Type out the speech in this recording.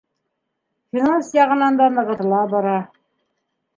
Финанс яғынан да нығытыла бара.